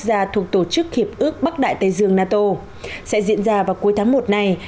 gia thuộc tổ chức hiệp ước bắc đại tây dương nato sẽ diễn ra vào cuối tháng một này